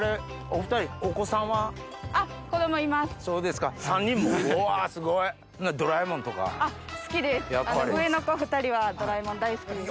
２人は『ドラえもん』大好きです。